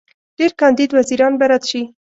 ډېر کاندید وزیران به رد شي.